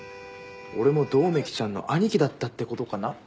俺も百目鬼ちゃんの兄貴だったってことかな。